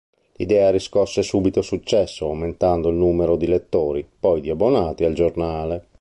L'idea riscosse subito successo, aumentando il numero di lettori, poi di abbonati al giornale.